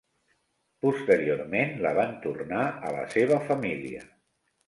Posteriorment, la van tornar a la seva família.